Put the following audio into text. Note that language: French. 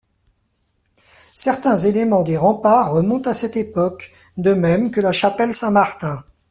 Certains éléments des remparts remontent à cette époque, de même que la chapelle Saint-Martin.